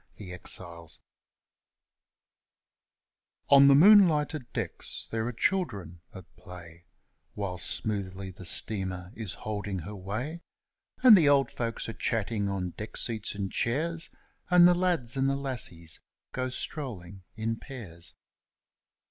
8 Autoplay On the moonlighted decks there are children at play, While smoothly the steamer is holding her way; And the old folks are chatting on deck seats and chairs, And the lads and the lassies go strolling in pairs.